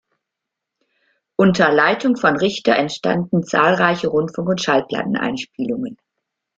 Unter Leitung von Richter entstanden zahlreiche Rundfunk- und Schallplatteneinspielungen.